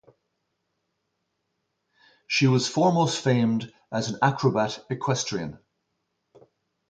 She was foremost famed as an acrobat equestrian.